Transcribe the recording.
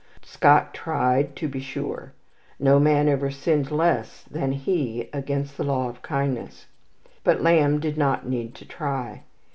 Scott tried, to be sure. No man ever sinned less than he against the law of kindness. But Lamb did not need to try.